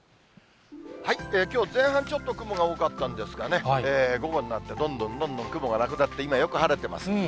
きょう、前半ちょっと雲が多かったんですがね、午後になって、どんどんどんどん雲がなくなって、今よく晴れてます。